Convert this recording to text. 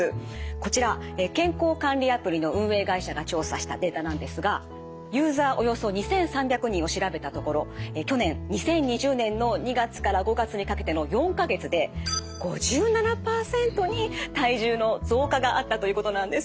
こちら健康管理アプリの運営会社が調査したデータなんですがユーザーおよそ２，３００人を調べたところ去年２０２０年の２月から５月にかけての４か月で５７％に体重の増加があったということなんです。